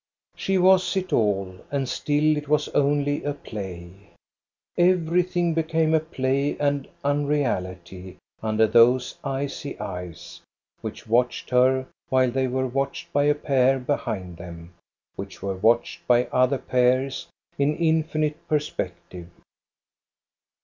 She was it all, and still it was only a play. Every thing became a play and unreality under those icy eyes, which watched her while they were watched by a pair behind them, which were watched by other pairs in infinite perspective.